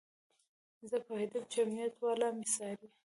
زه پوهېدم چې امنيت والا مې څاري.